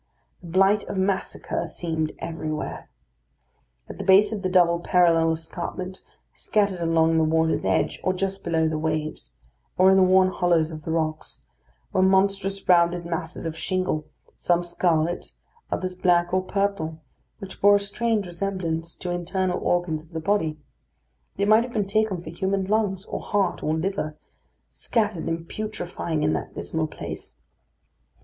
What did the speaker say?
The blight of massacre seemed everywhere. At the base of the double parallel escarpment, scattered along the water's edge, or just below the waves, or in the worn hollows of the rocks, were monstrous rounded masses of shingle, some scarlet, others black or purple, which bore a strange resemblance to internal organs of the body; they might have been taken for human lungs, or heart, or liver, scattered and putrefying in that dismal place.